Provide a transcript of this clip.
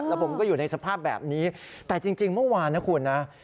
แล้วผมก็อยู่ในสภาพแบบนี้แต่จริงเมื่อวานนะคุณนะ